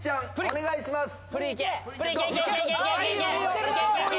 お願いします。